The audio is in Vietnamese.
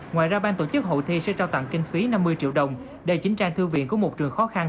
ngoài ra ban tổ chức hội thi sẽ trao tặng kinh phí năm mươi triệu đồng đầy chín trang thư viện của một trường khó khăn